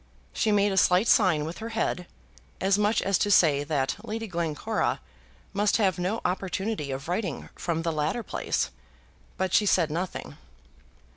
She made a slight sign with her head, as much as to say that Lady Glencora must have no opportunity of writing from the latter place; but she said nothing.